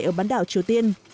ở bán đảo triều tiên